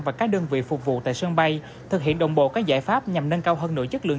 và các đơn vị phục vụ tại sân bay thực hiện đồng bộ các giải pháp nhằm nâng cao hơn nội chất lượng